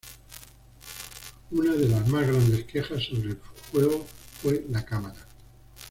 Una de las más grandes quejas sobre el juego fue la cámara.